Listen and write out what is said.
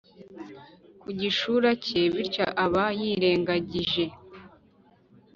ku gishura cye, bityo aba yirengagije